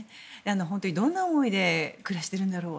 本当にどんな思いで暮らしているんだろう。